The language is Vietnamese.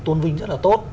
tôn vinh rất là tốt